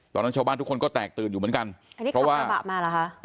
ฉะนั้นชาวบ้านทุกคนก็แตกตื่นอยู่เหมือนกันอันนี้กระบะมาล่ะฮะ